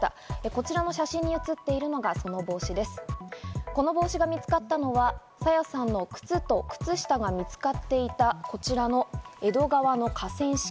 この帽子が見つかったのは朝芽さんの靴と靴下が見つかっていたこちらの江戸川の河川敷。